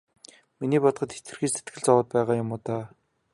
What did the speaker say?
Миний бодоход хэтэрхий сэтгэл зовоод байгаа юм уу даа.